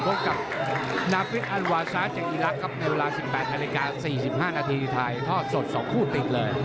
พบกับนาฟิศอันวาซาสจากอีรักษ์ครับในเวลา๑๘นาฬิกา๔๕นาทีถ่ายทอดสด๒คู่ติดเลย